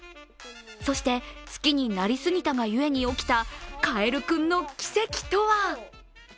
そして、好きになりすぎたがゆえに起きたかえるクンの奇跡とは？